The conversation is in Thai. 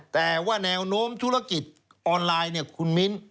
แต่ว่าแนวโน้มธุรกิจออนไลน์เนี่ยคุณมิ้น